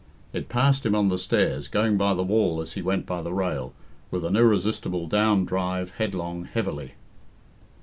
It passed him on the stairs, going by the wall as he went by the rail, with an irresistible down drive, headlong, heavily.